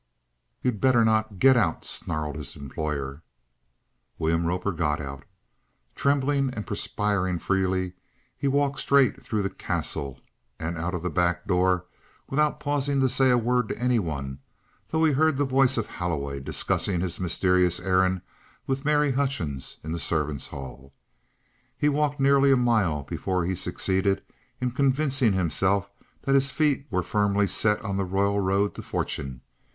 "You'd better not! Get out!" snarled his employer. William Roper got out. Trembling and perspiring freely, he walked straight through the Castle and out of the back door without pausing to say a word to any one, though he heard the voice of Holloway discussing his mysterious errand with Mary Hutchings in the servants' hall. He had walked nearly a mile before he succeeded in convincing himself that his feet were firmly set on the royal road to Fortune.